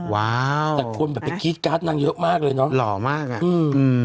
ว้าวแต่คนแบบไปกรี๊ดการ์ดนางเยอะมากเลยเนอะหล่อมากอ่ะอืม